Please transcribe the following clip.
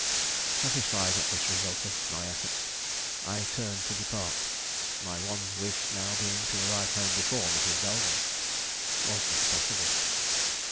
Satisfied at this result of my efforts, I turned to depart, my one wish now being to arrive home before Mrs. Belden. Was this possible?